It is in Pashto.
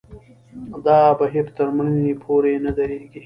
دا بهیر تر مړینې پورې نه درېږي.